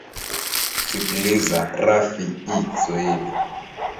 kusikiliza rfi kiswahili